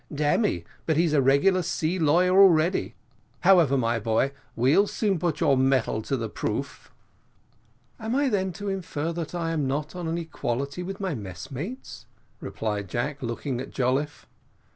"Damme, but he's a regular sea lawyer already: however, my boy, we'll soon put your mettle to the proof." "Am I then to infer that I am not on an equality with my messmates?" replied Jack, looking at Jolliffe.